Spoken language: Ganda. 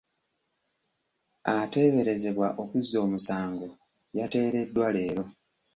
Ateeberezebwa okuzza omusango, yateereddwa leero.